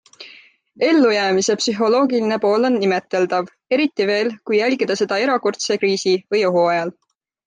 Ellujäämise psühholoogiline pool on imeteldav, eriti veel, kui jälgida seda erakordse kriisi või ohu ajal.